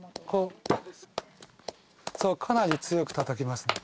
そうかなり強くたたきますね。